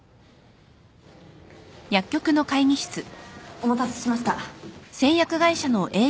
お待たせしました。